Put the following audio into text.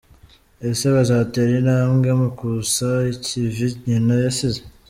Ese bazatera intambwe mu kusa ikivi nyina yasize?.